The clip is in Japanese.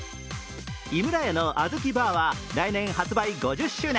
井村屋のあずきバーは来年発売５０周年。